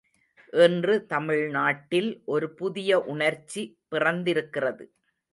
இன்று தமிழ்நாட்டில் ஒரு புதிய உணர்ச்சி பிறந்திருக்கிறது.